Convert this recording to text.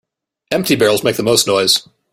Empty barrels make the most noise.